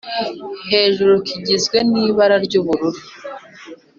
Hejuru kigizwe n’ibara ry’ubururu